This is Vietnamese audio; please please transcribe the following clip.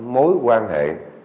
mối quan hệ